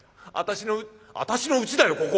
私の私のうちだよ